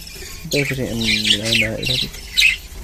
هل تعرف شيئا عن عائلتك ؟